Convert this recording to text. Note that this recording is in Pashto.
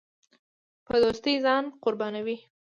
په دوستۍ ځان قربانوي.